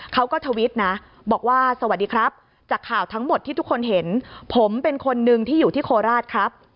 ทวิตนะบอกว่าสวัสดีครับจากข่าวทั้งหมดที่ทุกคนเห็นผมเป็นคนหนึ่งที่อยู่ที่โคราชครับ